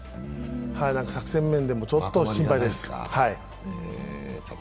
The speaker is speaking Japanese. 作戦面でもちょっと心配です。